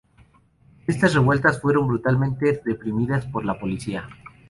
Estas revueltas fueron brutalmente reprimidas por la policía.